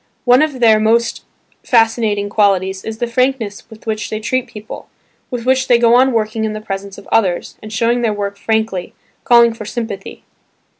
One of their most fascinating qualities is the frankness with which they treat people, with which they go on working in the presence of others, and showing their work frankly, calling for sympathy.